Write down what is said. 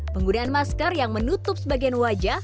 penggunaan masker yang menutup sebagian wajah